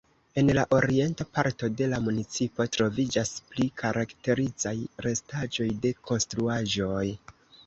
En la orienta parto de la municipo troviĝas pli karakterizaj restaĵoj de konstruaĵoj.